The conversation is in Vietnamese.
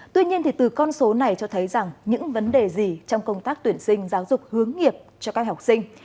tuy nhiên thì từ con số này cho thấy rằng những vấn đề gì trong công tác tuyển sinh giáo dục hướng nghiệp cho các học sinh